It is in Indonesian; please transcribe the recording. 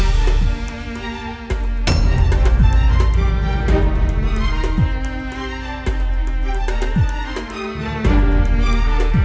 terima kasih deni